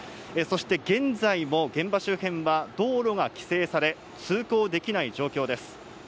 現在も現場周辺は道路が規制され通行できない状況です。